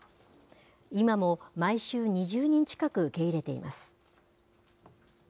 今も毎週、２０人近く受け入れています。